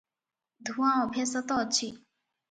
ଧୂଆଁ ଅଭ୍ୟାସ ତ ଅଛି ।